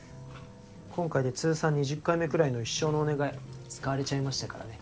今回で通算２０回目くらいの「一生のお願い」使われちゃいましたからね。